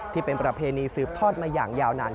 ที่เป็นประเพณีสืบทอดมาอย่างยาวนาน